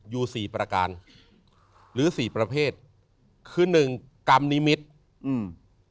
อยู่สี่ประการหรือสี่ประเภทคือหนึ่งกรรมนิมิตรอืม